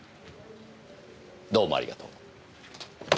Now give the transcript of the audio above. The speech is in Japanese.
どうもありがとう。